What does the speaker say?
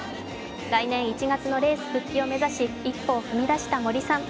来年１月のレース復帰を目指し一歩を踏み出した森さん。